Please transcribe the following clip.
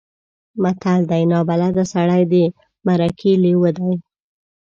متل دی: نابلده سړی د مرکې لېوه دی.